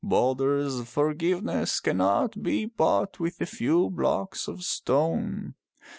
Balder's forgiveness cannot be bought with a few blocks of stone.